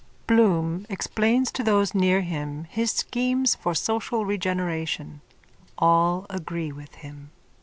_(Bloom explains to those near him his schemes for social regeneration. All agree with him.